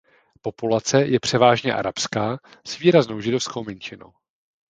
Populace je převážně arabská s výraznou židovskou menšinou.